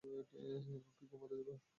এখন কি ঘুমাতে যাবে?